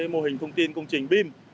mô hình thông tin công trình bim